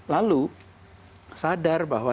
lalu sadar bahwa